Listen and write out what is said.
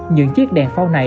những chiếc đèn phao này